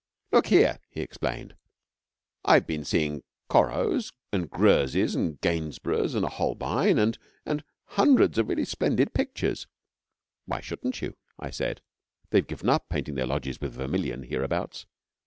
'Look here!' he explained. 'I've been seeing Corots, and Greuzes, and Gainsboroughs, and a Holbein, and and hundreds of really splendid pictures!' 'Why shouldn't you?' I said. 'They've given up painting their lodges with vermilion hereabouts.'